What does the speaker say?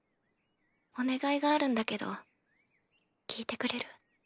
お願いがあるんだけど聞いてくれる？